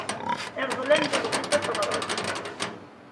Irḍel-am-d adlis ad t-teɣreḍ.